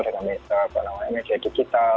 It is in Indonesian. dengan media digital